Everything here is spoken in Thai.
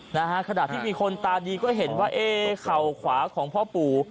นะฮะขณะที่มีคนตาดีก็เห็นว่าเอ๊เข่าขวาของพ่อปู่